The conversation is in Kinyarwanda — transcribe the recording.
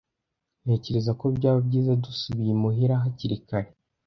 Ntekereza ko byaba byiza dusubiye imuhira hakiri kare.